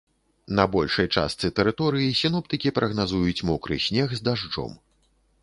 На большай частцы тэрыторыі сіноптыкі прагназуюць мокры снег з дажджом.